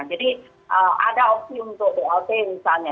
jadi ada opsi untuk dlt misalnya